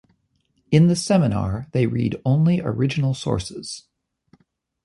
In the seminar they read only original sources.